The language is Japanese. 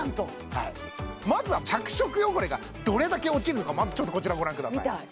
はいまずは着色汚れがどれだけ落ちるのかまずちょっとこちらご覧ください